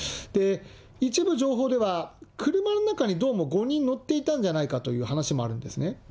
一部情報では、車の中にどうも５人乗っていたんじゃないかという話もあるんですね。